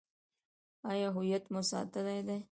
آیا هویت مو ساتلی دی؟